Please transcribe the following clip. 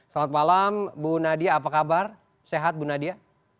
selamat malam bu nadia apa kabar sehat bu nadia